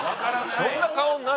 そんな顔になる？